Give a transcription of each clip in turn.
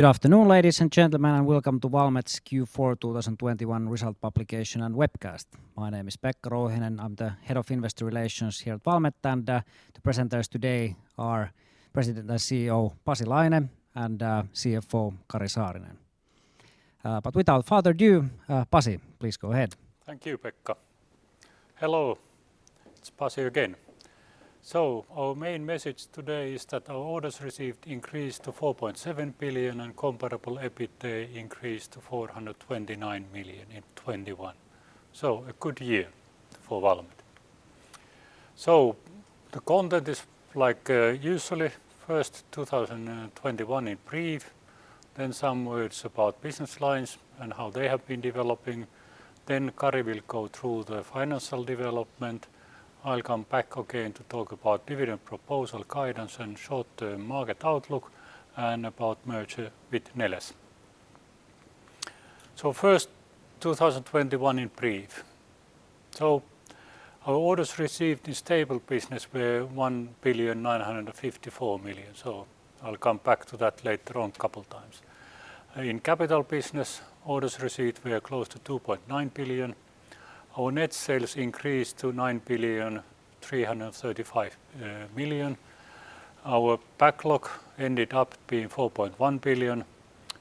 Good afternoon, ladies and gentlemen, and welcome to Valmet's Q4 2021 Results Publication and Webcast. My name is Pekka Rouhiainen. I'm the head of investor relations here at Valmet, and the presenters today are President and CEO Pasi Laine and CFO Kari Saarinen. Without further ado, Pasi, please go ahead. Thank you, Pekka. Hello. It's Pasi again. Our main message today is that our orders received increased to 4.7 billion and comparable EBITA increased to 429 million in 2021, so a good year for Valmet. The content is, as usual, first 2021 in brief, then some words about business lines and how they have been developing. Then Kari will go through the financial development. I'll come back to talk about dividend proposal, guidance, short-term market outlook, and about merger with Neles. First, 2021 in brief. Our orders received in stable business were 1.954 billion, so I'll come back to that later on a couple times. In capital business, orders received were close to 2.9 billion. Our net sales increased to 9.335 billion. Our backlog ended up being 4.1 billion,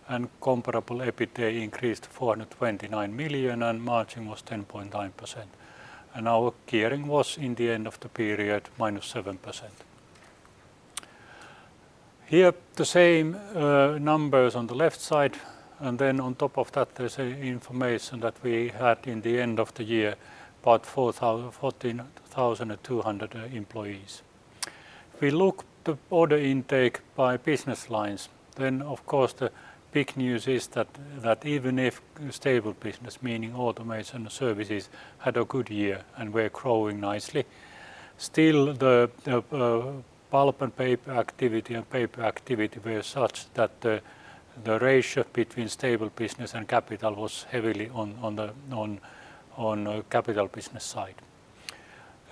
and comparable EBITA increased to 429 million, and margin was 10.9%. Our gearing was, in the end of the period was -7%. Here are the same numbers on the left side, and then on top of that there's information that we had in the end of the year, about 14,200 employees. If we look to order intake by business lines, then of course the big news is that that even if stable business, meaning automation services, had a good year and were growing nicely, still the pulp and paper activity and paper activity were such that the ratio between stable business and capital was heavily on the capital business side.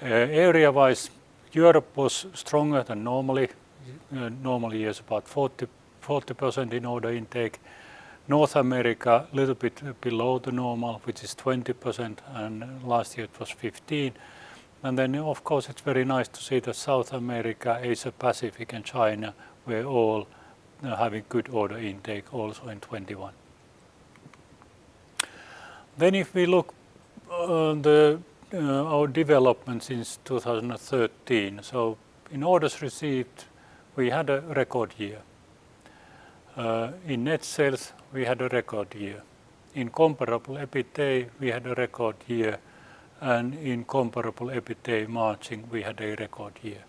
Area-wise, Europe was stronger than normally. Normally it's about 40% in order intake. North America is a little bit below normal, which is 20%, and last year it was 15%. Of course it's very nice to see that South America, Asia-Pacific, and China were all having good order intake also in 2021. If we look at our development since 2013. In orders received, we had a record year. In net sales, we had a record year. In comparable EBITA, we had a record year. In comparable EBITA margin, we had a record year.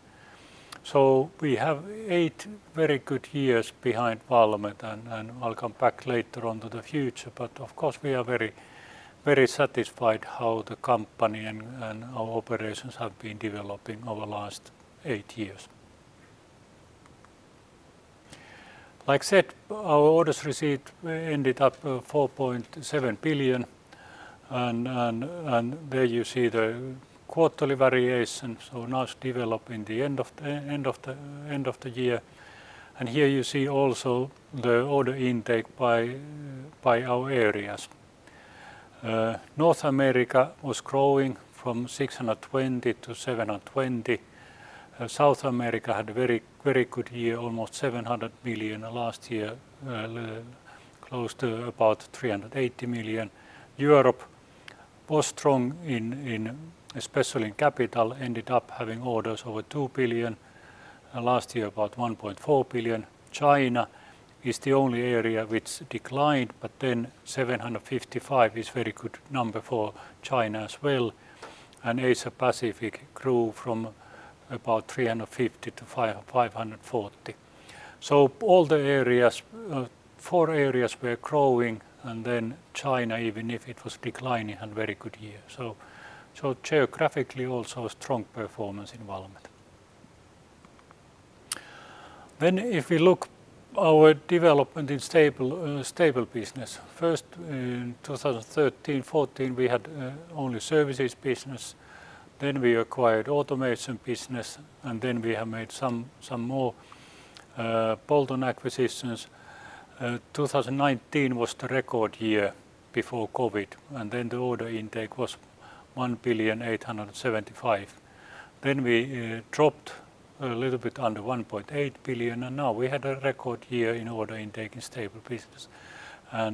We have eight very good years behind Valmet, and I'll come back later on to the future. Of course we are very, very satisfied how the company and our operations have been developing over the last 8 years. As I said, our orders received ended up 4.7 billion, and there you see the quarterly variation, so nice development in the end of the year. Here you see also the order intake by our areas. North America was growing from 620 million to 720 million. South America had a very good year, almost 700 million. Last year close to about 380 million. Europe was strong in especially in capital, ended up having orders over 2 billion. Last year about 1.4 billion. China is the only area that declined, but 755 million is still a very good number for China as well. Asia-Pacific grew from about 350 million to 540 million. All the areas, four areas were growing, and then China, even though it was declining, it had a very good year. Geographically also a strong performance in Valmet. If we look at our development in stable business. In 2013, 2014, we had only services business. We acquired automation business, and then we have made some more bolt-on acquisitions. 2019 was the record year before COVID, and the order intake was 1.875 billion. We dropped a little bit under 1.8 billion, and now we had a record year in order intake in stable business.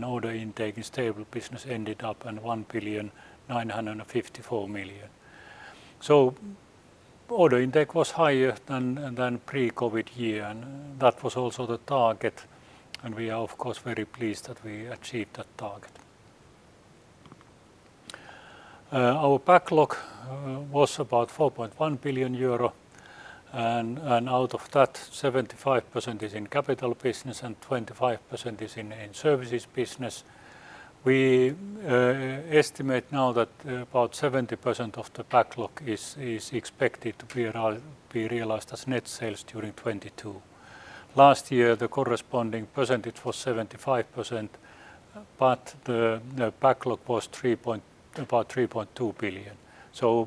Order intake in stable business ended up in 1.954 billion. Order intake was higher than pre-COVID year, and that was also the target. We are of course very pleased that we achieved that target. Our backlog was about 4.1 billion euro, and out of that 75% is in capital business and 25% is in services business. We estimate now that about 70% of the backlog is expected to be realized as net sales during 2022. Last year, the corresponding percentage was 75%. The backlog was about 3.2 billion.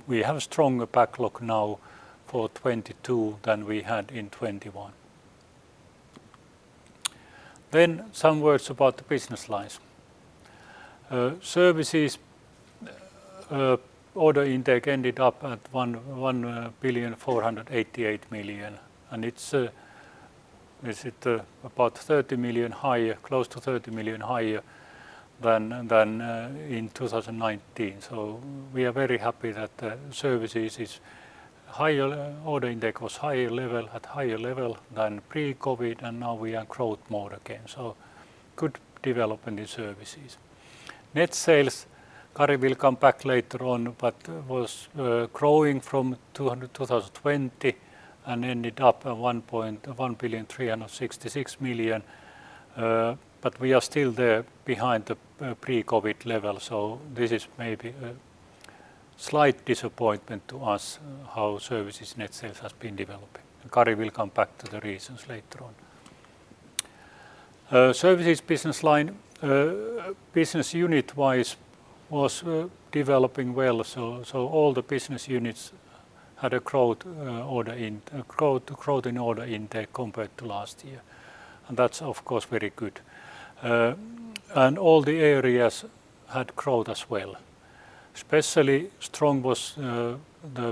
We have stronger backlog now for 2022 than we had in 2021. Some words about the business lines. Services order intake ended up at 1.488 billion, and it's about 30 million higher, close to 30 million higher than in 2019. We are very happy that services order intake was at higher level than pre-COVID, and now we are in growth mode again. Good development in services. Net sales, Kari will come back later on, but was growing from 2020 and ended up at 1.366 billion, but we are still there behind the pre-COVID level. This is maybe a slight disappointment to us how services net sales has been developing, and Kari will come back to the reasons later on. Services business line, business unit-wise was developing well. All the business units had growth in order intake compared to last year. That's, of course, very good. All the areas had growth as well. Especially strong was the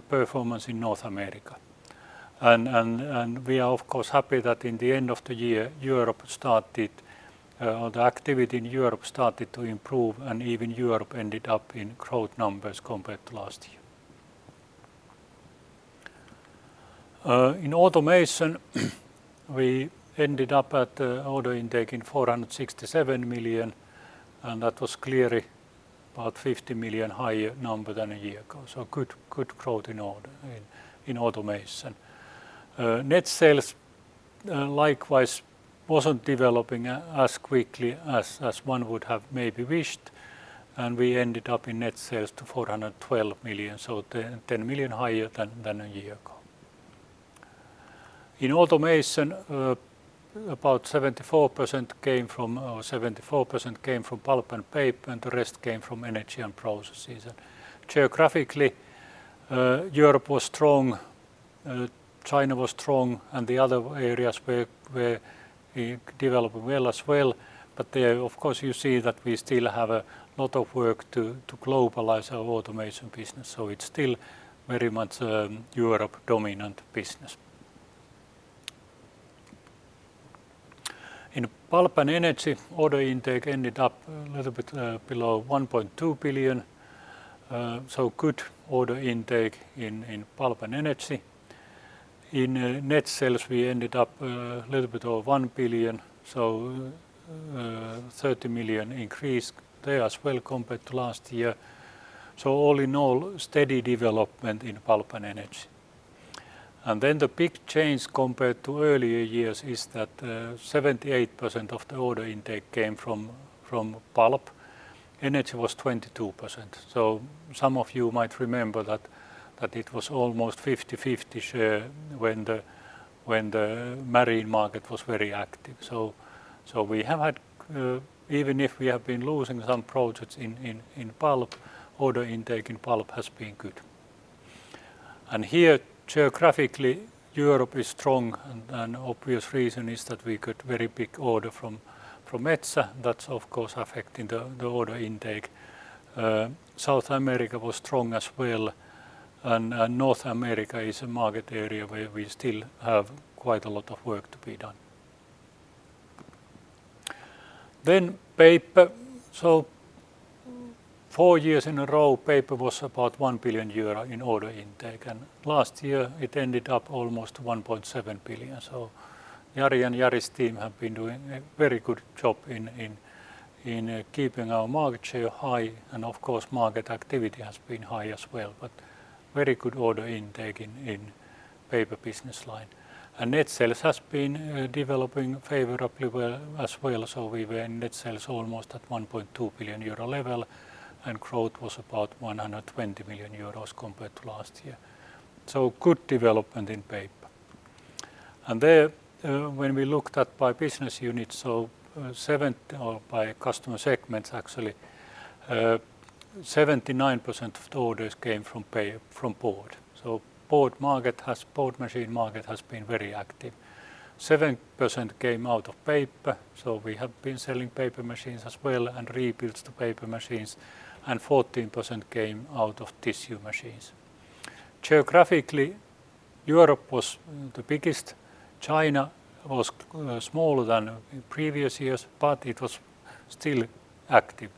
performance in North America. We are of course happy that in the end of the year, Europe started or the activity in Europe started to improve, and even Europe ended up in growth numbers compared to last year. In automation, we ended up with order intake of 467 million, and that was clearly about 50 million higher number than a year ago. Good growth in order in automation. Net sales likewise wasn't developing as quickly as one would have maybe wished, and we ended up in net sales to 412 million, so 10 million higher than a year ago. In automation, about 74% came from pulp and paper, and the rest came from energy and processes. Geographically, Europe was strong, China was strong, and the other areas were developing well as well. There you see that we still have a lot of work to globalize our automation business. It's still very much Europe-dominant business. In pulp and energy, order intake ended up a little bit below 1.2 billion, so good order intake in pulp and energy. In net sales, we ended up a little bit over 1 billion, so 30 million increase there as well compared to last year. All in all, steady development in pulp and energy. Then the big change compared to earlier years is that 78% of the order intake came from pulp. Energy was 22%. Some of you might remember that it was almost a 50/50 share when the marine market was very active. We have had, even if we have been losing some projects in pulp, order intake in pulp has been good. Here, geographically, Europe is strong, and an obvious reason is that we got very big order from Metsä. That's of course affecting the order intake. South America was strong as well, and North America is a market area where we still have quite a lot of work to be done. Paper. Four years in a row, paper was about 1 billion euro in order intake, and last year it ended up almost 1.7 billion. Jari and Jari's team have been doing a very good job in keeping our market share high, and of course, market activity has been high as well. Very good order intake in Paper business line. Net sales has been developing favorably well as well. We were in net sales almost at 1.2 billion euro level, and growth was about 120 million euros compared to last year. Good development in Paper. There, when we looked at by business units, or by customer segments actually, 79% of the orders came from board. Board machine market has been very active. 7% came from paper, so we have been selling paper machines as well and rebuilds to paper machines, and 14% came from tissue machines. Geographically, Europe was the biggest. China was smaller than in previous years, but it was still active.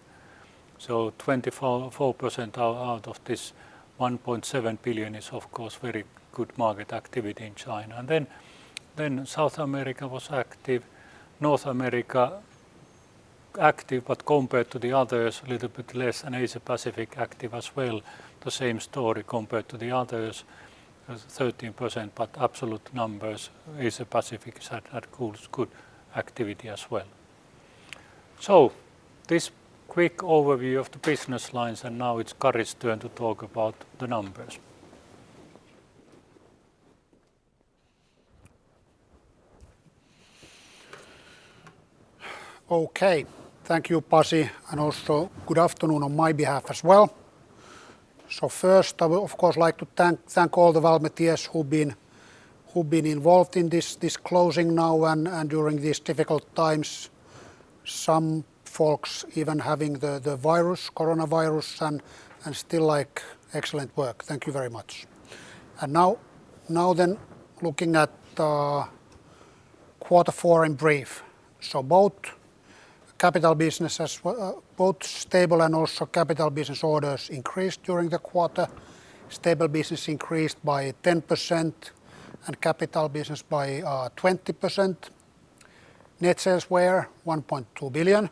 24% out of this 1.7 billion is of course very good market activity in China. Then South America was active. North America was active, but compared to the others, a little bit less. Asia-Pacific was active as well. The same story compared to the others, 13%, but absolute numbers, Asia-Pacific has had good activity as well. This is a quick overview of the business lines, and now it's Kari's turn to talk about the numbers. Okay. Thank you, Pasi, and also good afternoon on my behalf as well. First I would, of course, like to thank all the Valmettians who've been involved in this closing now and during these difficult times. Some folks even having the virus, coronavirus and still, like, excellent work. Thank you very much. Now then looking at quarter four in brief. Both capital businesses, both stable and also capital business orders increased during the quarter. Stable business increased by 10% and capital business by 20%. Net sales were 1.2 billion.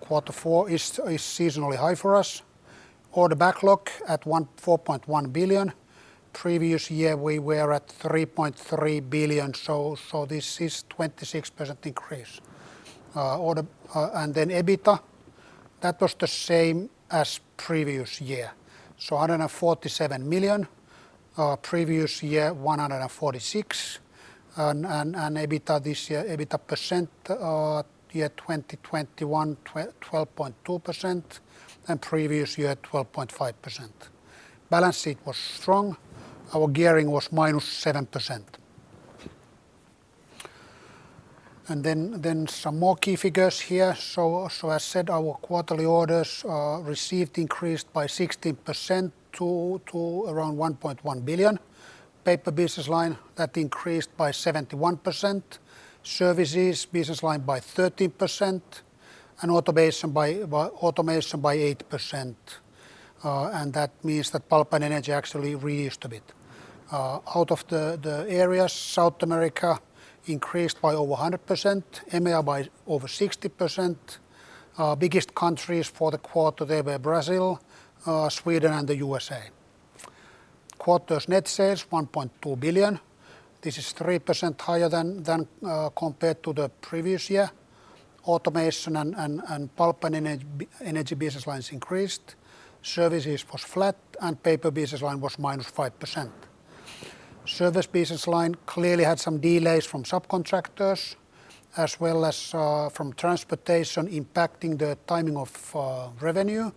Quarter four is seasonally high for us. Order backlog at 4.1 billion. Previous year, we were at 3.3 billion, so this is 26% increase. EBITDA was the same as the previous year, so 147 million. Previous year was 146 million. EBITDA this year, EBITDA percent, year 2021, 12.2% and previous year 12.5%. Balance sheet was strong. Our gearing was -7%. Some more key figures here. As said, our quarterly orders received increased by 16% to around 1.1 billion. Paper business line, that increased by 71%. Services business line by 13%, and automation by 8%. That means that Pulp and Energy actually decreased a bit. Out of the areas, South America increased by over 100%, EMEA by over 60%. Biggest countries for the quarter, they were Brazil, Sweden, and the U.S.A. Quarter's net sales, 1.2 billion. This is 3% higher than compared to the previous year. Automation and pulp and energy business lines increased. Services was flat, and paper business line was -5%. Service business line clearly had some delays from subcontractors as well as from transportation impacting the timing of revenue.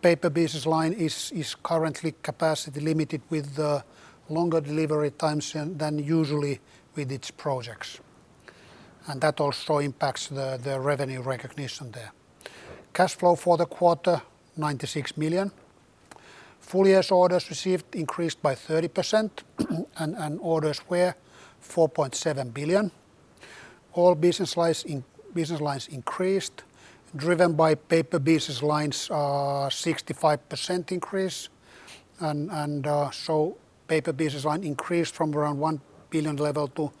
Paper business line is currently capacity limited with the longer delivery times than usually with its projects. That also impacts the revenue recognition there. Cash flow for the quarter, 96 million. Full year's orders received increased by 30%, and orders were 4.7 billion. All business lines increased, driven by paper business line's 65% increase. Paper business line increased from around 1 billion level to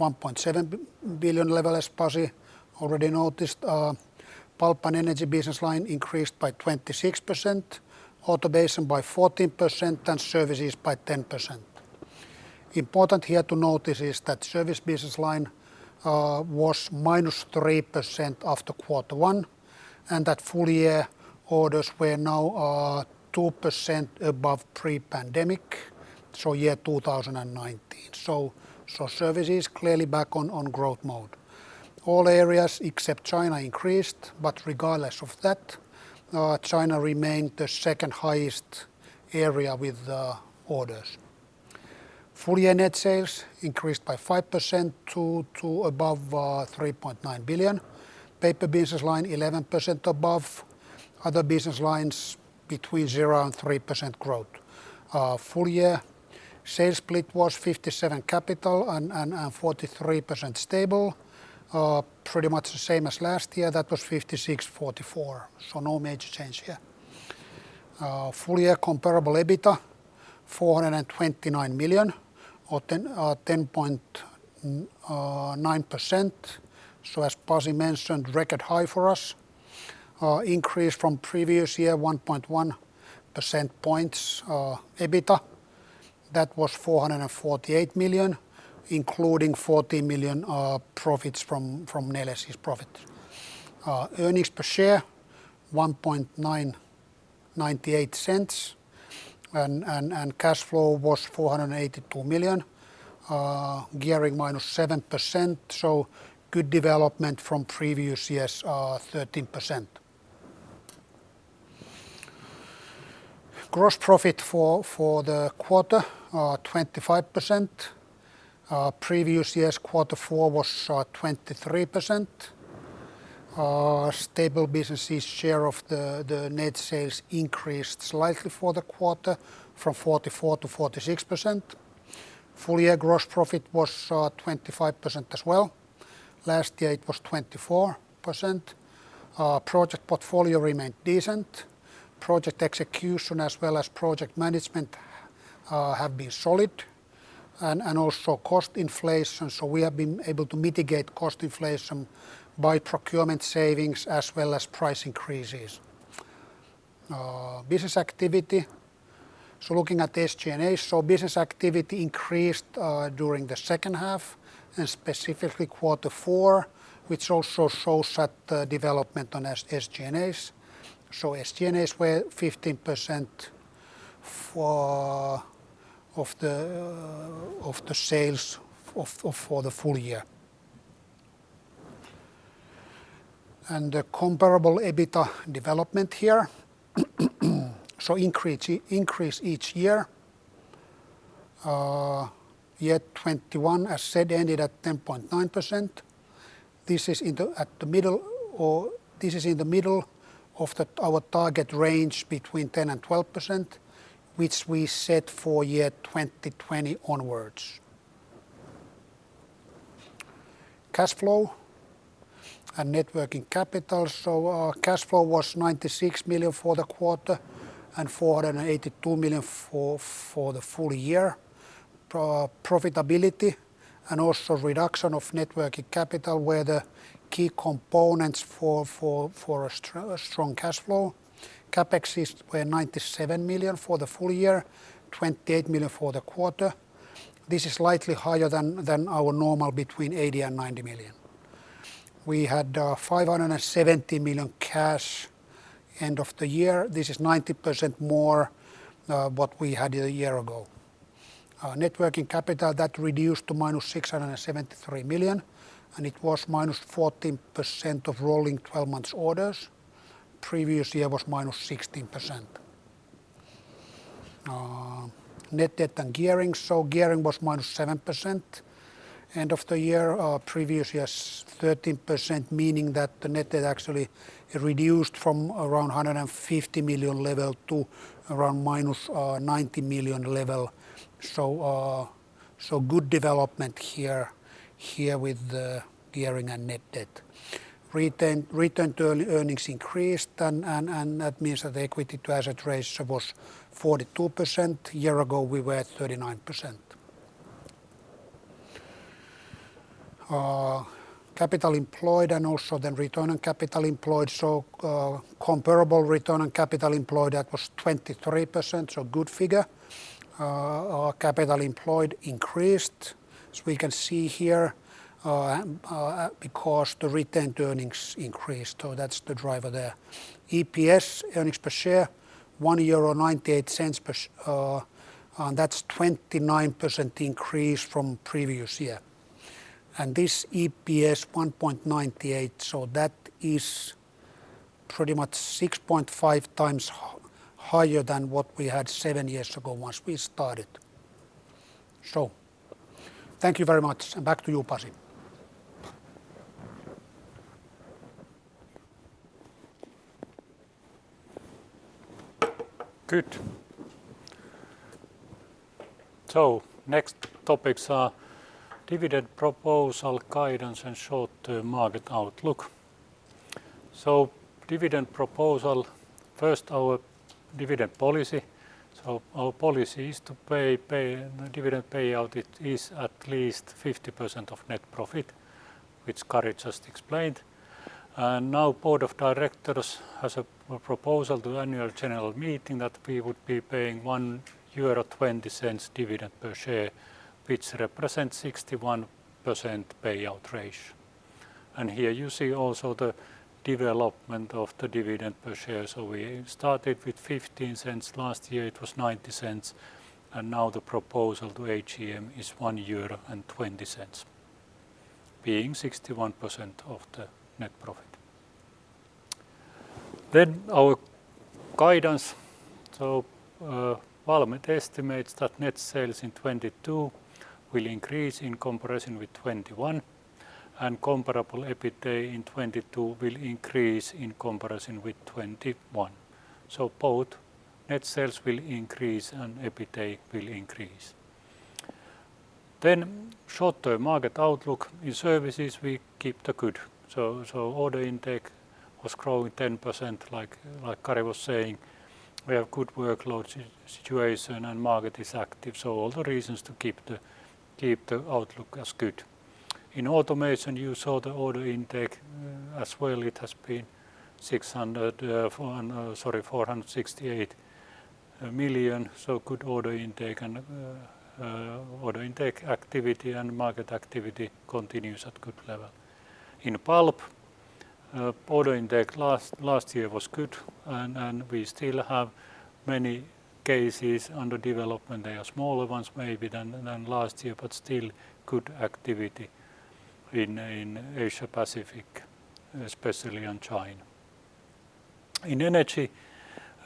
1.7 billion level, as Pasi already noticed. Pulp and energy business line increased by 26%, automation by 14% and services by 10%. Important here to notice is that service business line was -3% after quarter one, and that full year orders were now 2% above pre-pandemic, so year 2019. Services clearly back on growth mode. All areas except China increased, but regardless of that, China remained the second highest area with orders. Full year net sales increased by 5% to above 3.9 billion. Paper business line 11% above. Other business lines between 0% and 3% growth. Full year sales split was 57% capital and 43% stable. Pretty much the same as last year. That was 56, 44, so no major change here. Full year comparable EBITDA 429 million or 10.9%. As Pasi mentioned, record high for us. Increase from previous year, 1.1 percentage points, EBITDA. That was 448 million, including 40 million profits from Neles' profit. Earnings per share, 1.98. Cash flow was 482 million. Gearing -7%, so good development from previous years, 13%. Gross profit for the quarter 25%. Previous year's quarter four was 23%. Stable businesses share of the net sales increased slightly for the quarter from 44% to 46%. Full year gross profit was 25% as well. Last year it was 24%. Project portfolio remained decent. Project execution as well as project management have been solid. Also cost inflation, so we have been able to mitigate cost inflation by procurement savings as well as price increases. Business activity. Looking at the SG&As, business activity increased during the second half and specifically quarter four, which also shows that development on SG&As. SG&As were 15% of the sales for the full year. The comparable EBITDA development here. Increase each year. Year 2021, as said, ended at 10.9%. This is in the middle of our target range between 10%-12%, which we set for year 2020 onwards. Cash flow and net working capital. Our cash flow was 96 million for the quarter and 482 million for the full year. Profitability and also reduction of net working capital were the key components for a strong cash flow. CapEx was 97 million for the full year, 28 million for the quarter. This is slightly higher than our normal between 80 million and 90 million. We had 570 million cash end of the year. This is 90% more than we had a year ago. Our net working capital reduced to -673 million, and it was -14% of rolling twelve months orders. Previous year was -16%. Net debt and gearing. Gearing was -7% end of the year. Our previous year was 13%, meaning that the net debt actually reduced from around 150 million level to around -90 million level. Good development here with the gearing and net debt. Retained earnings increased, and that means that the equity to asset ratio was 42%. A year ago, we were at 39%. Capital employed and also the return on capital employed. Comparable return on capital employed was 23%, good figure. Our capital employed increased, as we can see here, because the retained earnings increased. That's the driver there. EPS, earnings per share, 1.98 euro per share, and that's 29% increase from previous year. This EPS 1.98, so that is pretty much 6.5 times higher than what we had 7 years ago once we started. Thank you very much, and back to you, Pasi. Good. Next topics are dividend proposal guidance and short-term market outlook. Dividend proposal, first our dividend policy. Our policy is to pay a dividend payout that is at least 50% of net profit, which Kari just explained. Now board of directors has a proposal to annual general meeting that we would be paying 1.20 euro dividend per share, which represents 61% payout ratio. Here you see also the development of the dividend per share. We started with 0.15. Last year it was 0.90, and now the proposal to AGM is 1.20 euro, being 61% of the net profit. Our guidance. Valmet estimates that net sales in 2022 will increase in comparison with 2021, and comparable EBITA in 2022 will increase in comparison with 2021. Both net sales will increase and EBITA will increase. Short-term market outlook. In services, we keep to good. Order intake was growing 10%, like Kari was saying. We have good workload situation, and market is active, so all the reasons to keep the outlook as good. In automation, you saw the order intake as well. It has been 468 million, so good order intake and order intake activity and market activity continues at good level. In pulp, order intake last year was good and we still have many cases under development. They are smaller ones maybe than last year, but still good activity in Asia-Pacific, especially in China. In energy,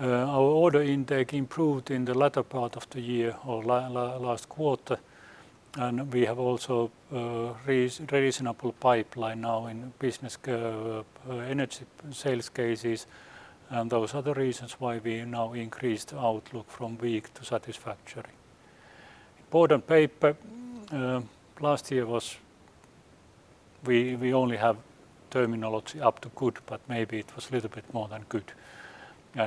our order intake improved in the latter part of the year or last quarter, and we have also reasonable pipeline now in business going energy sales cases. Those are the reasons why we now increased outlook from weak to satisfactory. Board and Paper. Last year we only have terminology up to good, but maybe it was little bit more than good.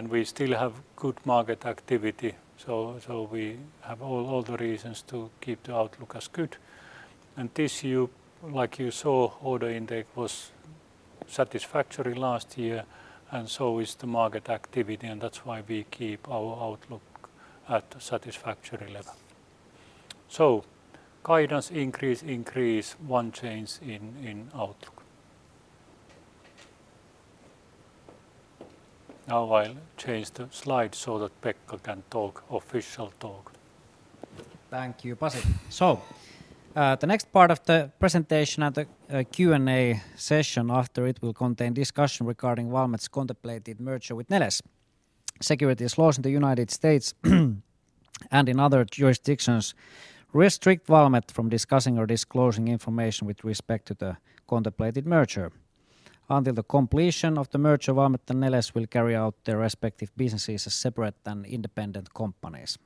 We still have good market activity, we have all the reasons to keep the outlook as good. This year, like you saw, order intake was satisfactory last year, and so is the market activity, and that's why we keep our outlook at a satisfactory level. Guidance increase. One change in outlook. Now I'll change the slide so that Pekka can talk official talk. Thank you, Pasi. The next part of the presentation and the Q&A session after it will contain discussion regarding Valmet's contemplated merger with Neles. Securities laws in the United States and in other jurisdictions restrict Valmet from discussing or disclosing information with respect to the contemplated merger. Until the completion of the merger, Valmet and Neles will carry out their respective businesses as separate and independent companies.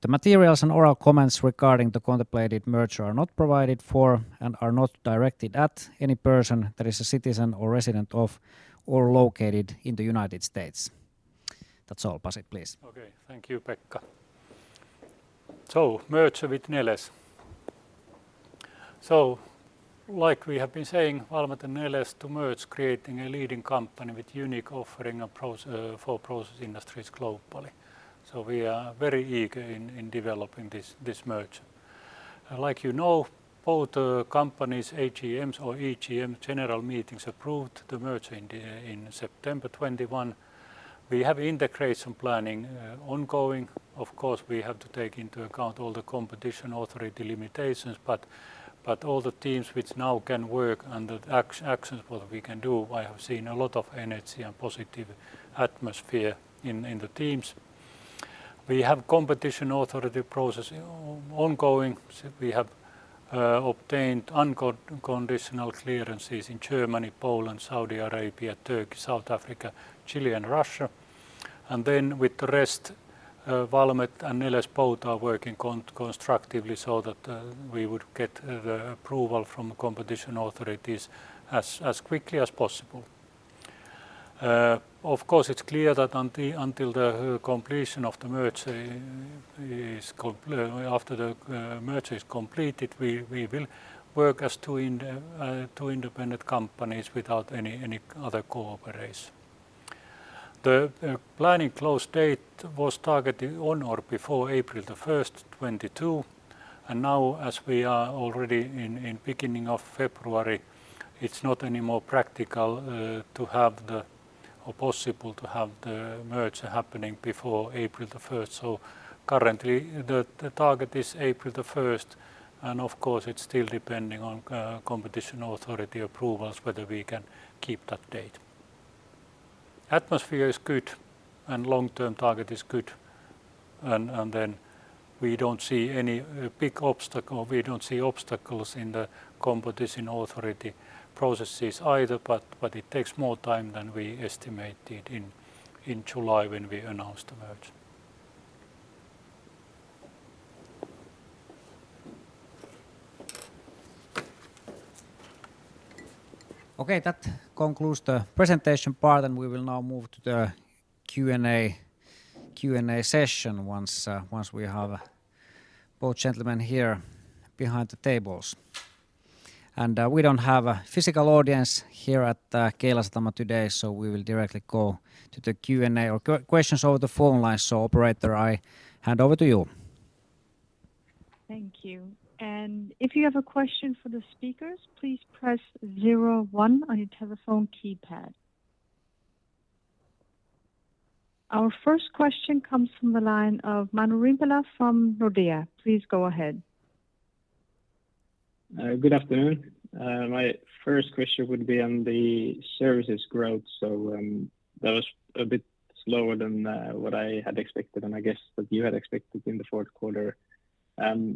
The materials and oral comments regarding the contemplated merger are not provided for and are not directed at any person that is a citizen or resident of or located in the United States. That's all. Pasi, please. Okay. Thank you, Pekka. Merger with Neles. Like we have been saying, Valmet and Neles will merge, creating a leading company with unique offering approach for process industries globally. We are very eager in developing this merger. Like both companies' AGMs or AGM general meetings approved the merger in September 2021. We have integration planning ongoing. Of course, we have to take into account all the competition authority limitations, but all the teams which now can work and the actions what we can do, I have seen a lot of energy and positive atmosphere in the teams. We have competition authority process ongoing. We have obtained unconditional clearances in Germany, Poland, Saudi Arabia, Turkey, South Africa, Chile, and Russia. With the rest, Valmet and Neles both are working constructively so that we would get the approval from competition authorities as quickly as possible. Of course, it's clear that until the merger is completed, we will work as two independent companies without any other cooperation. The planning close date was targeted on or before April 1st, 2022. Now as we are already in beginning of February, it's not any more practical or possible to have the merger happening before April 1st. Currently the target is April 1st, and of course it's still depending on competition authority approvals whether we can keep that date. Atmosphere is good and long-term target is good, and then we don't see any big obstacle. We don't see obstacles in the competition authority processes either, but it takes more time than we estimated in July when we announced the merger. Okay. That concludes the presentation part, and we will now move to the Q&A session once we have both gentlemen here behind the tables. We don't have a physical audience here at Keilasatama today, so we will directly go to the Q&A or questions over the phone line. Operator, I will hand over to you. Thank you. If you have a question for the speakers, please press zero-one on your telephone keypad. Our first question comes from the line of Manu Rimpelä from Nordea. Please go ahead. Good afternoon. My first question would be on the services growth, so, that was a bit slower than what I had expected, and what you had expected in the fourth quarter.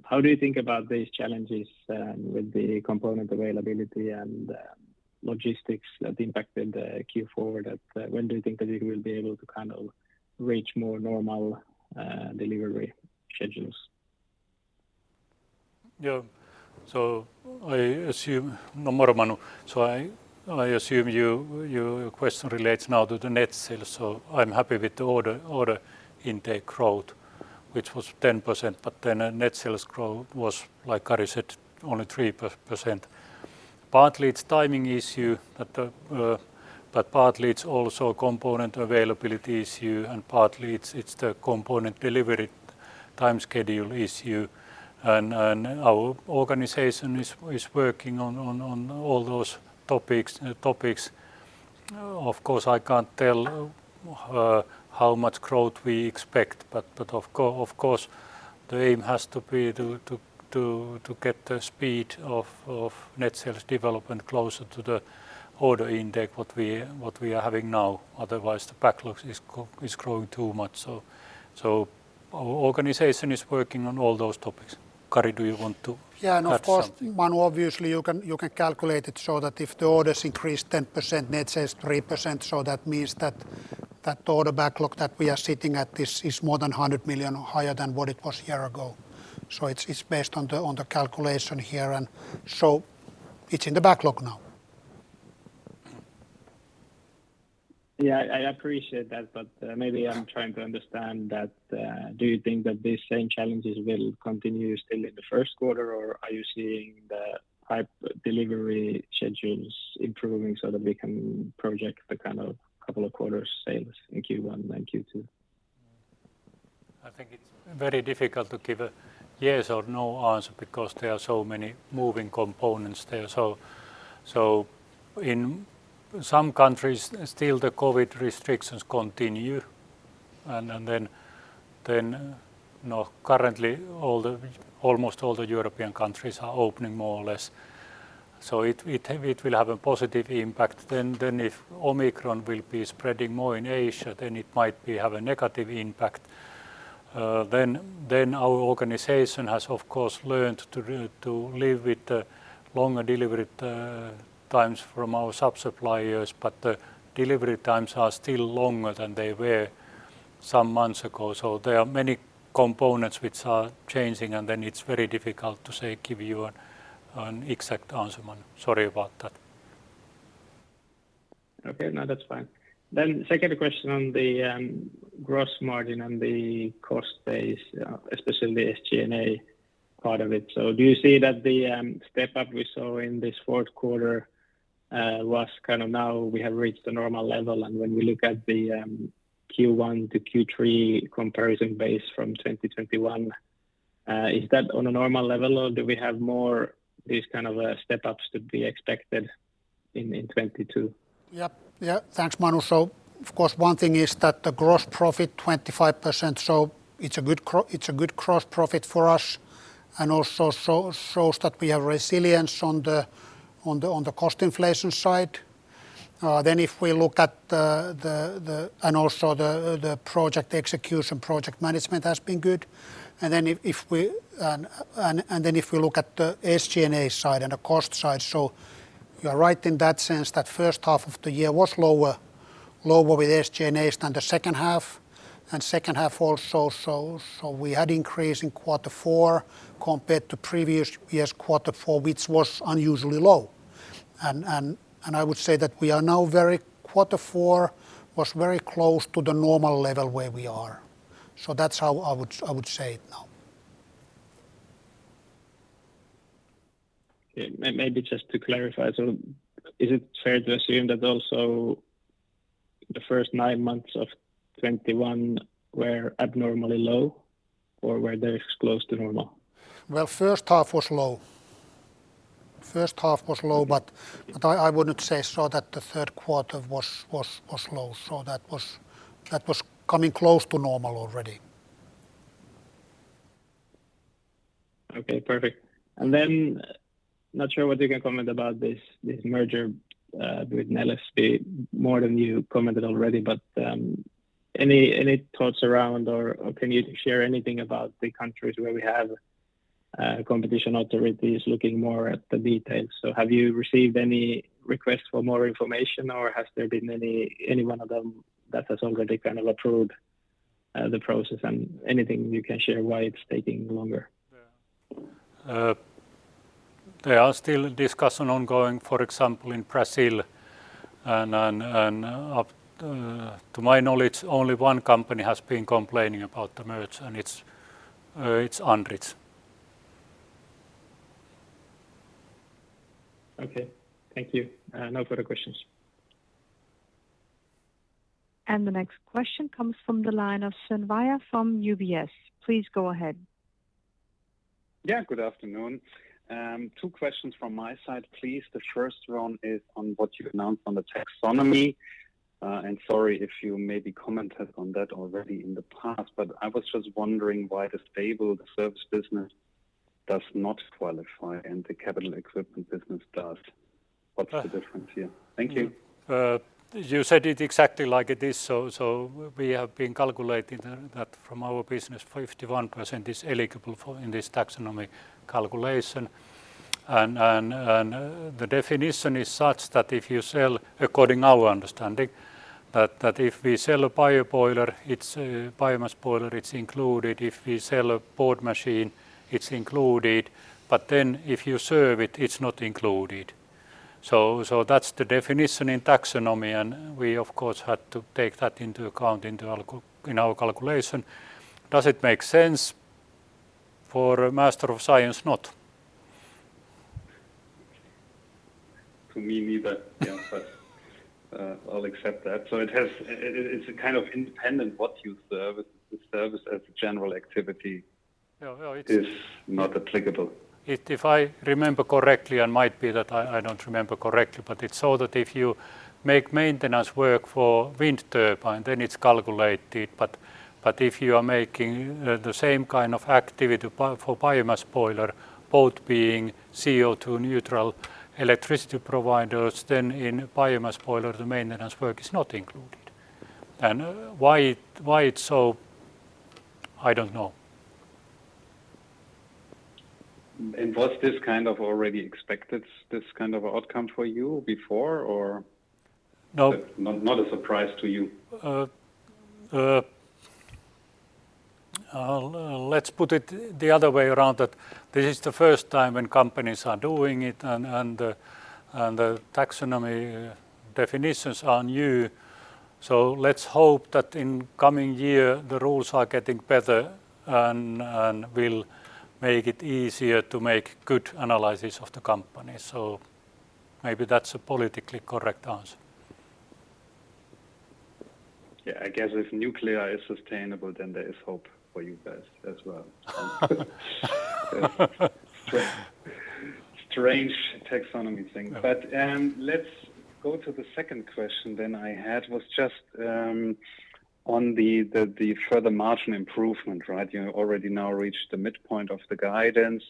How do you think about these challenges with the component availability and logistics that impacted Q4? That, when do you think that you will be able to reach more normal delivery schedules? Yeah. I assume—no more, Manu. I assume your question relates now to the net sales. I'm happy with the order intake growth, which was 10%, but then net sales growth was, like Kari said, only 3%. Partly it's timing issue that, but partly it's also component availability issue, and partly it's the component delivery time schedule issue. Our organization is working on all those topics. Of course, I can't tell how much growth we expect, but of course, the aim has to be to get the speed of net sales development closer to the order intake what we are having now. Otherwise, the backlogs is growing too much. Our organization is working on all those topics. Kari, do you want to add something? Yeah, of course, Manu, obviously you can calculate it so that if the orders increase 10%, net sales 3%, that means that order backlog that we are sitting at is more than 100 million or higher than what it was a year ago. It's based on the calculation here and so it's in the backlog now. Yeah. I appreciate that, but, maybe I'm trying to understand that, do you think that these same challenges will continue still in the first quarter, or are you seeing the pipe delivery schedules improving so that we can project the couple of quarters sales in Q1 and Q2? I think it's very difficult to give a yes or no answer because there are so many moving components there. In some countries still the COVID restrictions continue and then currently almost all the European countries are opening more or less. It will have a positive impact. If Omicron will be spreading more in Asia, then it might have a negative impact. Our organization has of course learned to live with the longer delivery times from our subsuppliers, but the delivery times are still longer than they were some months ago. There are many components which are changing, and it's very difficult to say, give you an exact answer, Manu. Sorry about that. Okay. No, that's fine. Second question on the gross margin and the cost base, especially the SG&A part of it. Do you see that the step-up we saw in this fourth quarter was now we have reached a normal level? When we look at the Q1 to Q3 comparison base from 2021, is that on a normal level, or do we have more this step-ups to be expected in 2022? Yeah. Thanks, Manu. One thing is that the gross profit is 25%, so it's a good gross profit for us, and also shows that we have resilience on the cost inflation side. The project execution, project management has been good. If we look at the SG&A side and the cost side, you are right in that sense that first half of the year was lower with SG&A than the second half. Second half also shows, so we had increase in quarter four compared to previous year's quarter four, which was unusually low. I would say that we are now very. Quarter four was very close to the normal level where we are. That's how I would say it now. Okay. Maybe just to clarify, so is it fair to assume that also the first nine months of 2021 were abnormally low, or were they close to normal? First half was low, but I wouldn't say so that the third quarter was low, that was coming close to normal already. Okay. Perfect. Not sure what you can comment about this merger with Neles more than you commented already. Any thoughts around or can you share anything about the countries where we have competition authorities looking more at the details? Have you received any requests for more information, or has there been any one of them that has already approved the process? Anything you can share why it's taking longer? Yeah, there are still discussions ongoing, for example, in Brazil. To my knowledge, only one company has been complaining about the merger, and it's Andritz. Okay. Thank you. No further questions. The next question comes from the line of Sven Weier from UBS. Please go ahead. Yeah. Good afternoon. Two questions from my side, please. The first one is on what you've announced on the taxonomy. Sorry if you maybe commented on that already in the past, but I was just wondering why the stable service business does not qualify and the capital equipment business does. What's the difference here? Thank you. You said it exactly like it is. We have been calculating that from our business 51% is eligible in this Taxonomy calculation. The definition is such that if you sell, according to our understanding, if we sell a biomass boiler, it's included. If we sell a board machine, it's included. But then if you service it's not included. That's the definition in Taxonomy, and we of course had to take that into account in our calculation. Does it make sense? For a master of science, not. To me neither. Yeah. I'll accept that. It's kind of independent what you serve. The service as a general activity. Yeah. Is not applicable. If I remember correctly, and might be that I don't remember correctly, but it's so that if you make maintenance work for wind turbine, then it's calculated. If you are making the same kind of activity for biomass boiler, both being CO2 neutral electricity providers, then in biomass boiler, the maintenance work is not included. Why it's so, I don't know. Was this already expected, this outcome for you before or- No not a surprise to you? Let's put it the other way around that this is the first time when companies are doing it and the Taxonomy definitions are new. Let's hope that in coming year the rules are getting better and will make it easier to make good analysis of the company. Maybe that's a politically correct answer. Yeah, If nuclear is sustainable, then there is hope for you guys as well. Strange taxonomy thing. Yeah. Let's go to the second question that I had was just on the further margin improvement. You already now reached the midpoint of the guidance.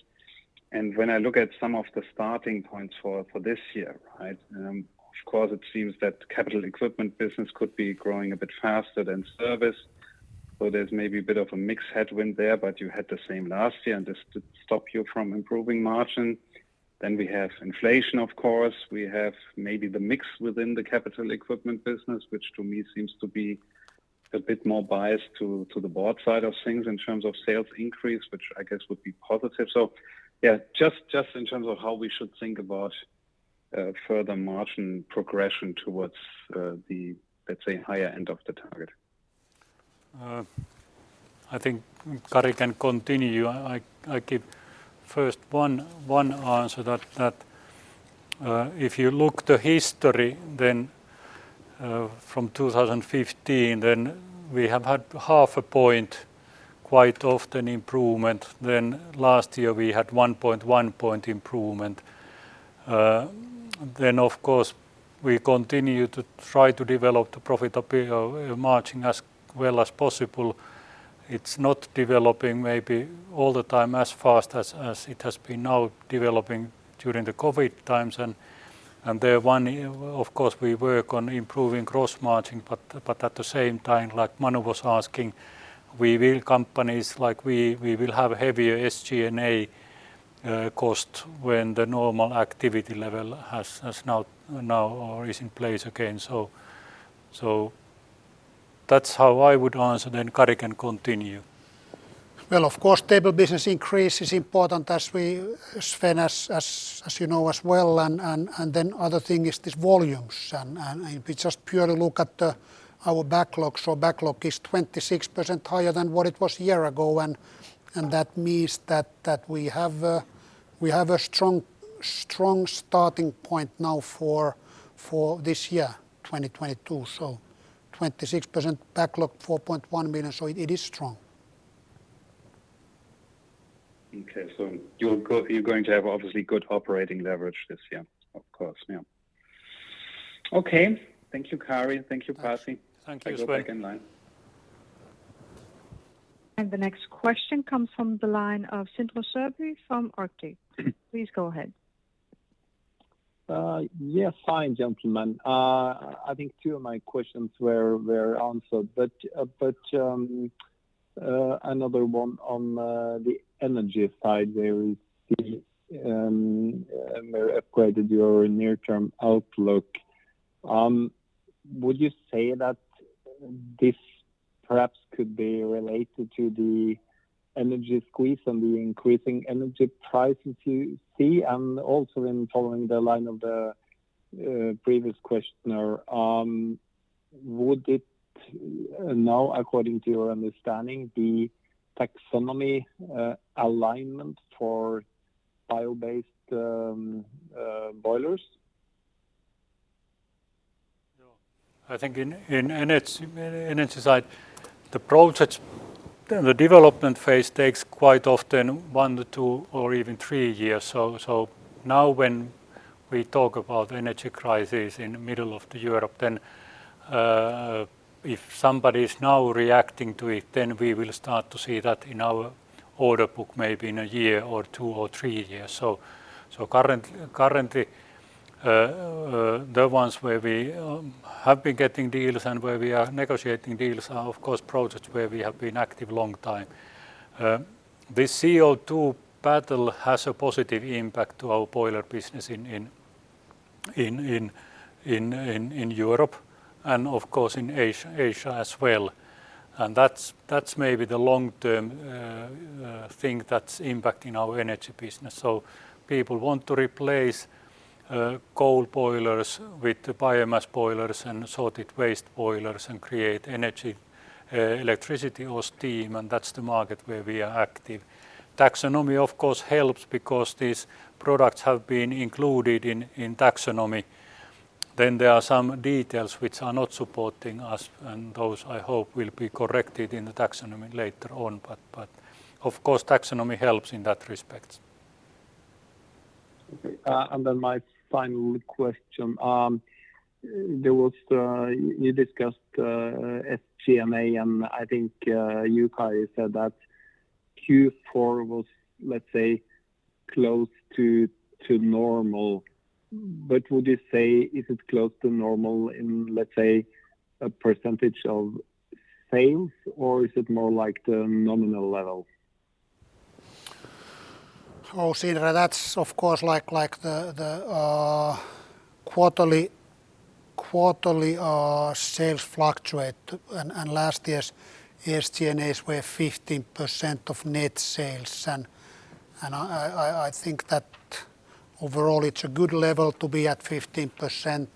When I look at some of the starting points for this year. Of course it seems that capital equipment business could be growing a bit faster than service, so there's maybe a bit of a mixed headwind there, but you had the same last year and this didn't stop you from improving margin. We have inflation of course. We have maybe the mix within the capital equipment business, which to me seems to be a bit more biased to the board side of things in terms of sales increase, which would be positive. Yeah, just in terms of how we should think about further margin progression towards the, let's say, higher end of the target. I think Kari can continue. I give first one answer that if you look at the history then from 2015 then we have had half a point quite often improvement. Last year we had 1 point improvement. Of course we continue to try to develop the profitability or margin as well as possible. It's not developing maybe all the time as fast as it has been developing during the COVID times. Of course, we work on improving gross margin, but at the same time, like Manu was asking, companies like we will have heavier SG&A cost when the normal activity level is in place again. That's how I would answer. Kari can continue. Of course, stable business increase is important as Sven and then another thing is these volumes, and if we just purely look at our backlog, it is 26% higher than what it was a year ago, and that means that we have a strong starting point now for this year, 2022. 26% backlog, 4.1 million. It is strong. Okay. You're going to have obviously good operating leverage this year. Of course. Yeah. Okay. Thank you, Kari. Thank you, Pasi. Thank you as well. I go back in line. The next question comes from the line of Sindre Sørbye from Arctic. Please go ahead. Yes. Fine, gentlemen. I think two of my questions were answered, but another one on the energy side where we see upgraded your near-term outlook. Would you say that this perhaps could be related to the energy squeeze on the increasing energy prices you see? Also in following the line of the previous questioner, would it now according to your understanding, be taxonomy alignment for bio-based boilers? No. I think in energy side, the project development phase takes quite often one to two or even three years. Now when we talk about energy crisis in the middle of Europe, if somebody is now reacting to it, we will start to see that in our order book maybe in a year or two or three years. Currently, the ones where we have been getting deals and where we are negotiating deals are of course projects where we have been active a long time. This CO2 battle has a positive impact to our boiler business in Europe and of course in Asia as well. That's maybe the long-term thing that's impacting our energy business. People want to replace coal boilers with the biomass boilers and sorted waste boilers and create energy, electricity or steam, and that's the market where we are active. Taxonomy of course helps because these products have been included in taxonomy. There are some details which are not supporting us, and those I hope will be corrected in the taxonomy later on, but of course taxonomy helps in that respect. Okay. My final question. You discussed SG&A, and I think you, Kari, said that Q4 was, let's say, close to normal. Would you say is it close to normal in, let's say, a percentage of sales or is it more like the nominal level? Sindre, that's of course like the quarterly sales fluctuate and last year's SG&A were 15% of net sales and I think that overall it's a good level to be at 15%,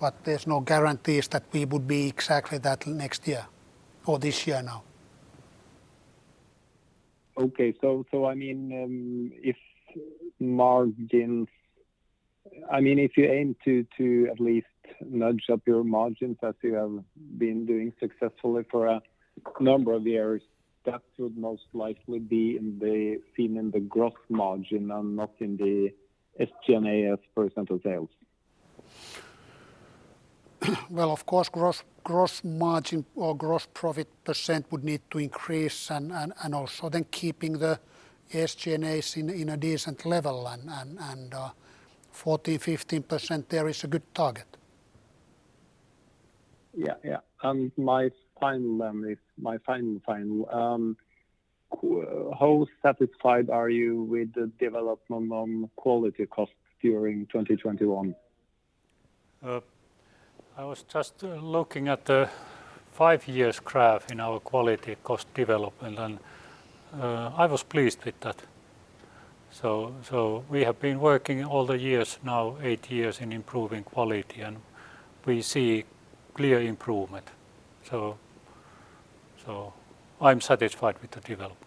but there's no guarantees that we would be exactly that next year or this year now. If you aim to at least nudge up your margins as you have been doing successfully for a number of years, that would most likely be seen in the gross margin and not in the SG&A as % of sales. Of course, gross margin or gross profit percent would need to increase and also then keeping the SG&A in a decent level and 40%-50% there is a good target. Yeah. Yeah. My final then is my final, how satisfied are you with the development on quality cost during 2021? I was just looking at the five years graph in our quality cost development, and I was pleased with that. We have been working all the years now, eight years, in improving quality, and we see clear improvement. I'm satisfied with the development.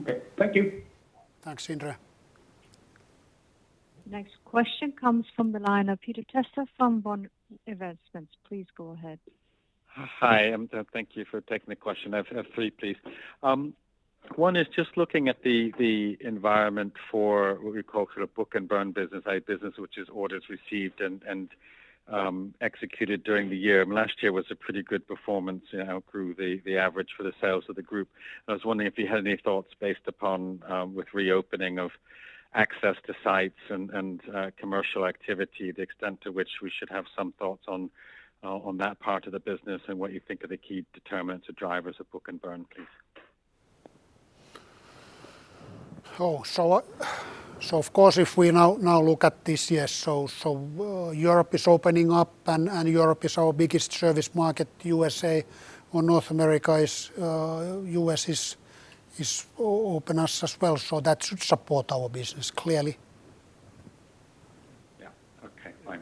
Okay. Thank you. Thanks, Sindre Sørbye. Next question comes from the line of Peter Testa from One Investments. Please go ahead. Hi, thank you for taking the question. I have three, please. One is just looking at the environment for what we call book-and-bill business, a business which is orders received and executed during the year. Last year was a pretty good performance in how it grew the average for the sales of the group. I was wondering if you had any thoughts based upon with reopening of access to sites and commercial activity, the extent to which we should have some thoughts on that part of the business and what you think are the key determinants or drivers of book-and-bill, please. Of course, if we now look at this year, Europe is opening up and Europe is our biggest service market. USA or North America is, US is opening up as well, so that should support our business clearly. Yeah. Okay. Fine.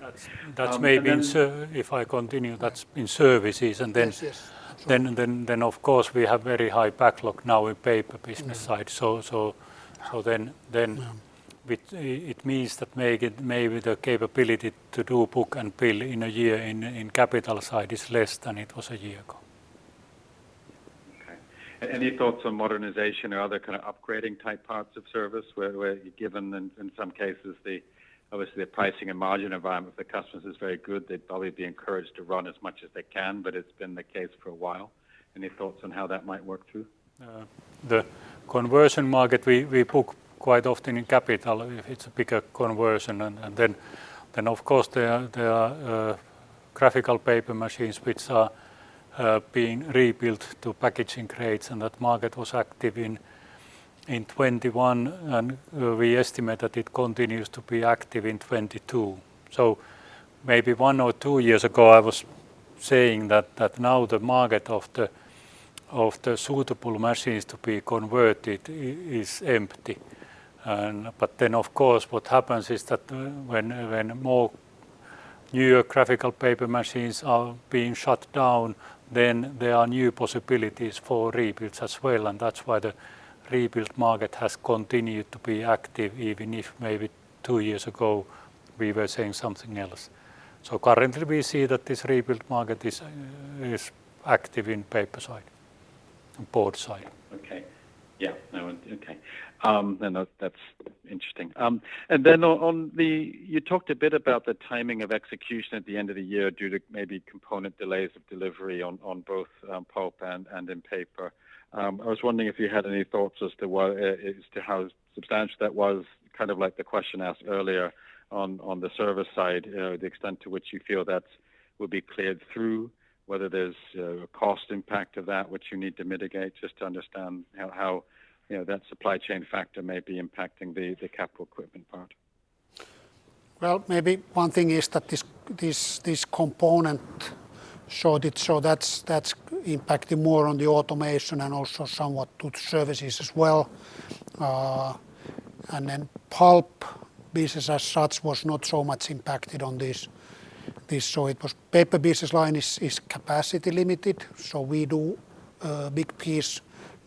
That's maybe. And then- If I continue, that's in services. Yes. Yes. Sure. Of course we have very high backlog now in Paper business side. Yeah It means that maybe the capability to do book and bill in a year in capital side is less than it was a year ago. Okay. Any thoughts on modernization or other upgrading type parts of service where, given in some cases. Obviously, the pricing and margin environment for customers is very good. They'd probably be encouraged to run as much as they can, but it's been the case for a while. Any thoughts on how that might work too? The conversion market we book quite often in capital if it's a bigger conversion. Then of course there are graphic paper machines which are being rebuilt to packaging grades, and that market was active in 2021, and we estimate that it continues to be active in 2022. Maybe one or two years ago, I was saying that now the market of the suitable machines to be converted is empty. But then, of course, what happens is that when more newer graphic paper machines are being shut down, then there are new possibilities for rebuilds as well. That's why the rebuild market has continued to be active even if maybe two years ago we were saying something else. Currently we see that this rebuild market is active in paper side and board side. That's interesting. You talked a bit about the timing of execution at the end of the year due to maybe component delays of delivery on both pulp and paper. I was wondering if you had any thoughts as to how substantial that was the question asked earlier on the service side, the extent to which you feel that will be cleared through, whether there's a cost impact of that which you need to mitigate, just to understand how that supply chain factor may be impacting the capital equipment part. Maybe one thing is that this component shortage, so that's impacting more on the automation and also somewhat to services as well. Then pulp business as such was not so much impacted on this. The paper business line is capacity limited. We do big piece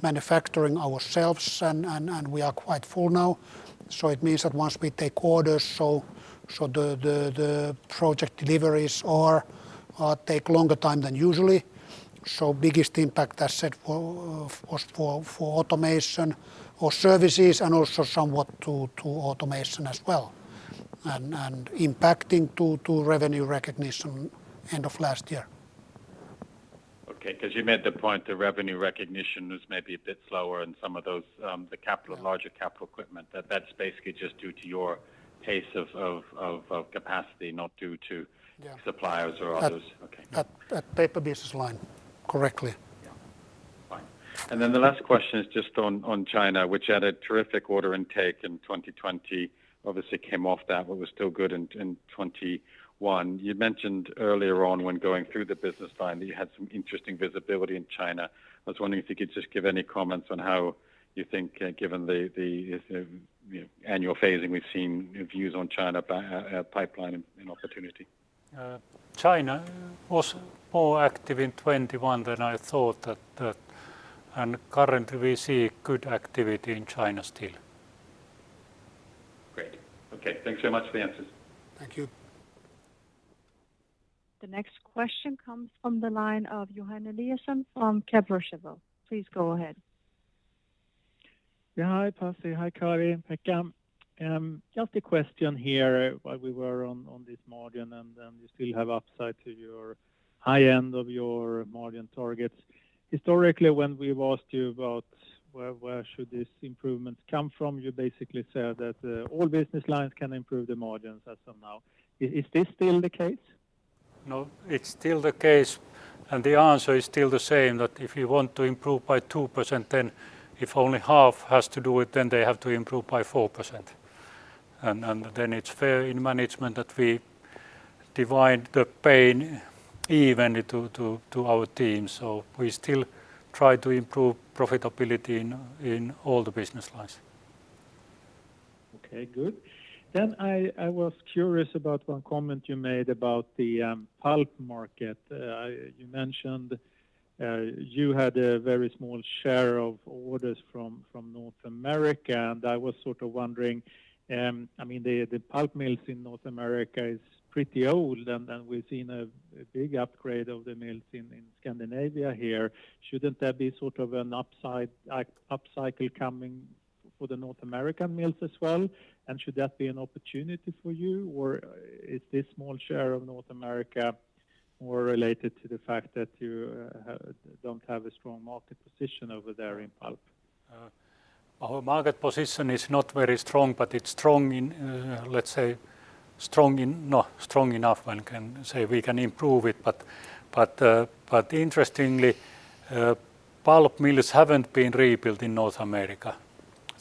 manufacturing ourselves and we are quite full now. It means that once we take orders, the project deliveries take longer time than usually. Biggest impact I said of course for automation or services and also somewhat to automation as well, and impacting to revenue recognition end of last year. Okay. 'Cause you made the point the revenue recognition was maybe a bit slower in some of those, the capital- Yeah... larger capital equipment. That's basically just due to your pace of capacity, not due to- Yeah suppliers or others. At- Okay. At Paper business line. Correctly. Yeah. Fine. The last question is just on China, which had a terrific order intake in 2020. Obviously came off that but was still good in 2021. You mentioned earlier on when going through the business line that you had some interesting visibility in China. I was wondering if you could just give any comments on how you think given the annual phasing we've seen your views on China pipeline and opportunity. China was more active in 2021 than I thought. Currently we see good activity in China still. Great. Okay. Thanks so much for the answers. Thank you. The next question comes from the line of Johan Eliason from Kepler Cheuvreux. Please go ahead. Yeah. Hi, Pasi. Hi, Kari and Pekka. Just a question here while we were on this margin and you still have upside to your high end of your margin targets. Historically, when we've asked you about where should this improvement come from, you basically said that all business lines can improve the margins as of now. Is this still the case? No, it's still the case, and the answer is still the same, that if you want to improve by 2%, then if only half has to do it, then they have to improve by 4%. Then it's fair in management that we divide the pain evenly to our teams. We still try to improve profitability in all the business lines. Okay. Good. I was curious about one comment you made about the pulp market. You mentioned you had a very small share of orders from North America, and I was wondering, I mean, the pulp mills in North America is pretty old, and then we've seen a big upgrade of the mills in Scandinavia here. Shouldn't there be an upside like upcycle coming for the North American mills as well? And should that be an opportunity for you, or is this small share of North America more related to the fact that you don't have a strong market position over there in pulp? Our market position is not very strong, but it's strong enough one can say we can improve it. Interestingly, pulp mills haven't been rebuilt in North America.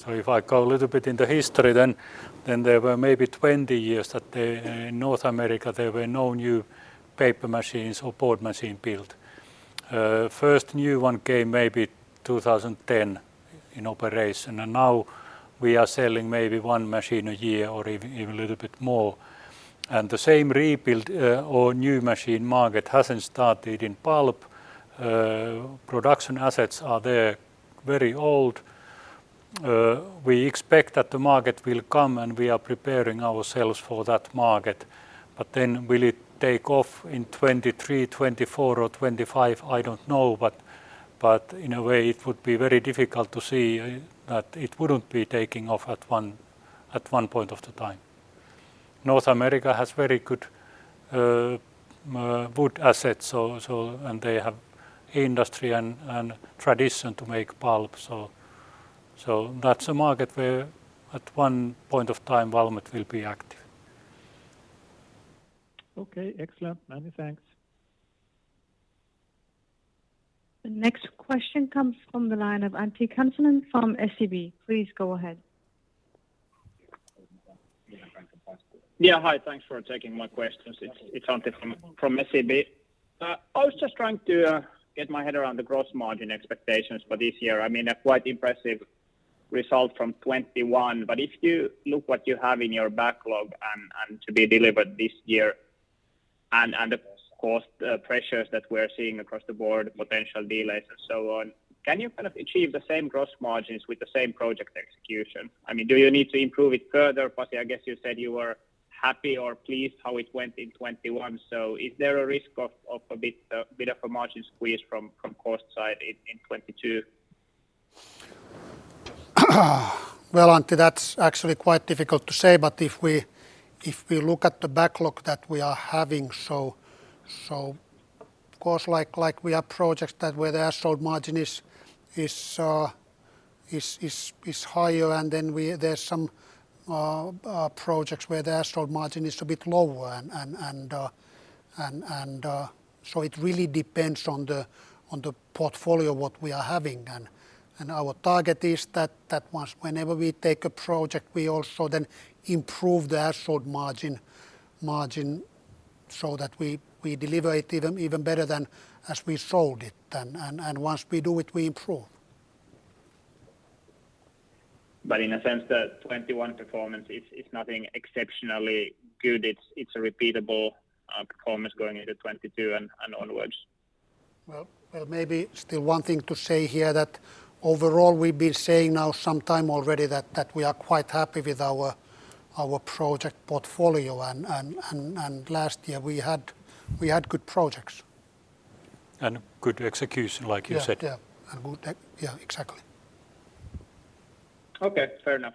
If I go a little bit in the history then there were maybe 20 years that they in North America there were no new paper machines or board machine built. First new one came maybe 2010 in operation, and now we are selling maybe one machine a year or even a little bit more. The same rebuild or new machine market hasn't started in pulp. Production assets are there, very old. We expect that the market will come, and we are preparing ourselves for that market. Then will it take off in 2023, 2024 or 2025? I don't know. In a way it would be very difficult to see that it wouldn't be taking off at one point in time. North America has very good wood assets. They have industry and tradition to make pulp. That's a market where at one point in time Valmet will be active. Okay. Excellent. Many thanks. The next question comes from the line of Antti Kansanen from SEB. Please go ahead. Hi, thanks for taking my questions. It's Antti Kansanen from SEB. I was just trying to get my head around the gross margin expectations for this year. I mean, a quite impressive result from 2021, but if you look what you have in your backlog and to be delivered this year and the cost pressures that we're seeing across the board, potential delays and so on, can you achieve the same gross margins with the same project execution? I mean, do you need to improve it further? Pasi, you said you were happy or pleased how it went in 2021. Is there a risk of a bit of a margin squeeze from cost side in 2022? Antti, that's actually quite difficult to say, but if we look at the backlog that we are having, so of course like we have projects where the as-sold margin is higher and then there's some projects where the as-sold margin is a bit lower and so it really depends on the portfolio what we are having. Our target is that once whenever we take a project we also then improve the as-sold margin so that we deliver it even better than as we sold it. Once we do it, we improve. In a sense the 2021 performance is nothing exceptionally good. It's a repeatable performance going into 2022 and onwards. Maybe still one thing to say here that overall we've been saying now some time already that we are quite happy with our project portfolio. Last year we had good projects. Good execution like you said. Yeah. Yeah. Exactly. Okay. Fair enough.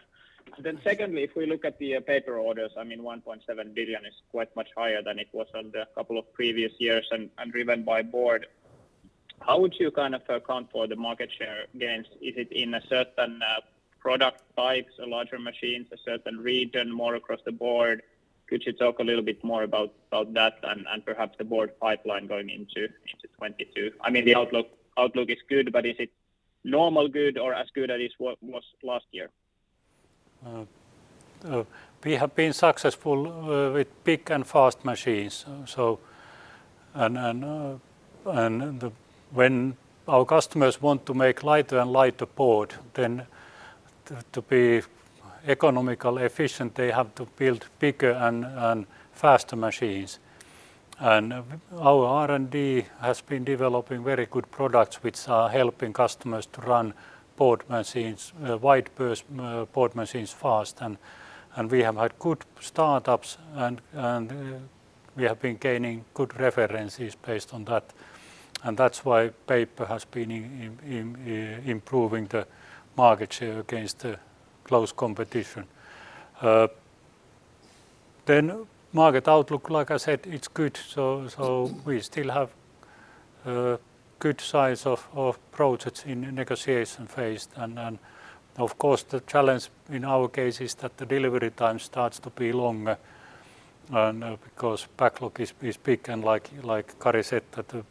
Secondly, if we look at the paper orders, I mean 1.7 billion is quite much higher than it was in the couple of previous years and driven by board. How would you account for the market share gains? Is it in a certain product types or larger machines, a certain region, more across the board? Could you talk a little bit more about that and perhaps the board pipeline going into 2022? I mean, the outlook is good, but is it normally good or as good as it was last year? We have been successful with big and fast machines. When our customers want to make lighter and lighter board, then to be economically efficient, they have to build bigger and faster machines. Our R&D has been developing very good products which are helping customers to run wide board machines fast. We have had good startups and we have been gaining good references based on that. That's why paper has been improving the market share against the close competition. Market outlook, as I said, it's good, so we still have good size of projects in negotiation phase. Of course, the challenge in our case is that the delivery time starts to be long, and because backlog is big and like Kari said that the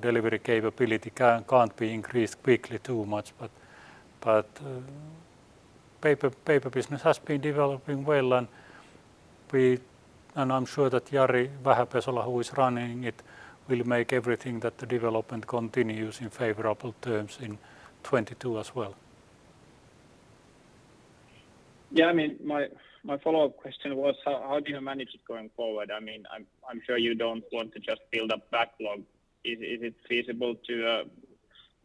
delivery capability can't be increased quickly too much. Paper business has been developing well and I'm sure that Jari Vähäpesälä, who is running it, will make sure that the development continues in favorable terms in 2022 as well. Yeah, I mean, my follow-up question was how do you manage it going forward? I mean, I'm sure you don't want to just build up backlog. Is it feasible to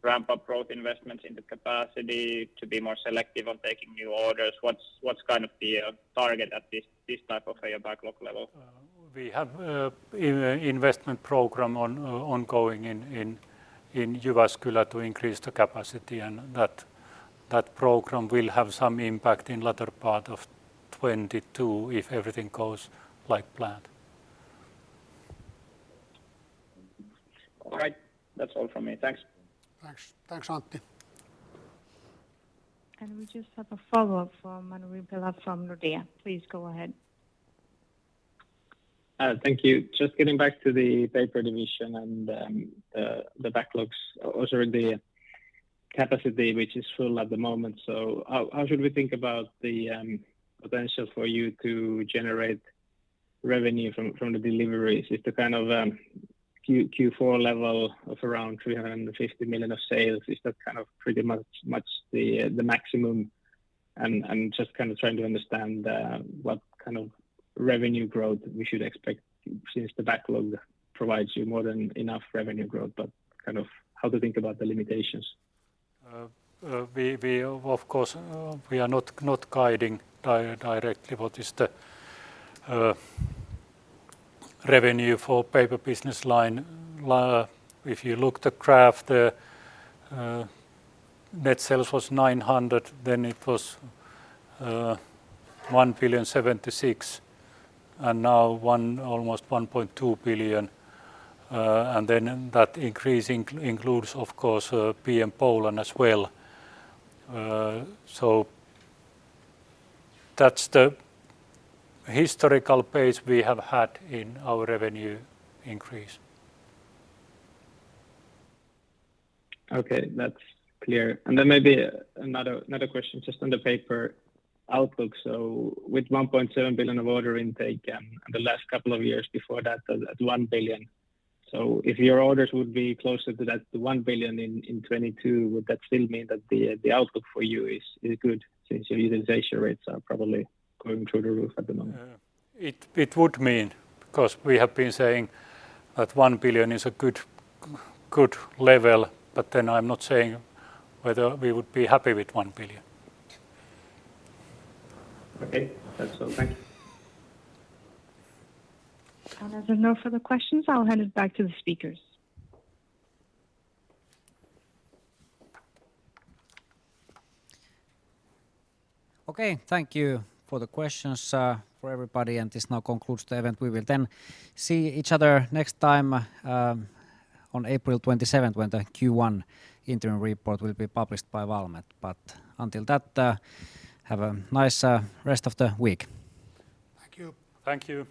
ramp up growth investments in the capacity to be more selective on taking new orders? What's the target at this type of a backlog level? We have an investment program ongoing in Jyväskylä to increase the capacity and that program will have some impact in the latter part of 2022 if everything goes like planned. All right. That's all from me. Thanks. Thanks. Thanks, Antti. We just have a follow-up from Manu Rimpelä from Nordea. Please go ahead. Thank you. Just getting back to the paper division and the backlogs, also in the capacity which is full at the moment. How should we think about the potential for you to generate revenue from the deliveries? Is the Q4 level of around 350 million of sales pretty much the maximum? Just trying to understand what kind of revenue growth we should expect since the backlog provides you more than enough revenue growth, but how to think about the limitations. We of course are not guiding directly what is the revenue for Paper business line. If you look at the graph, the net sales was 900 million, then it was 1,076 million, and now almost 1.2 billion. That increase includes, of course, PMP Group as well. So that's the historical pace we have had in our revenue increase. Okay. That's clear. Then maybe another question just on the paper outlook. With 1.7 billion of order intake and the last couple of years before that at 1 billion, if your orders would be closer to that 1 billion in 2022, would that still mean that the outlook for you is good since your utilization rates are probably going through the roof at the moment? Yeah. It would mean because we have been saying that 1 billion is a good level, but then I'm not saying whether we would be happy with EUR 1 billion. Okay. That's all. Thank you. As there are no further questions, I'll hand it back to the speakers. Okay. Thank you for the questions for everybody, and this now concludes the event. We will then see each other next time on April 27th when the Q1 interim report will be published by Valmet. Until that, have a nice rest of the week. Thank you. Thank you.